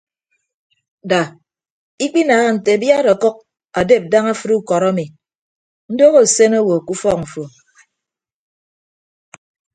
Da ikpinaaha nte abiad ọkʌk adep daña afịd ukọd ami ndoho asen owo ke ufọk mfo.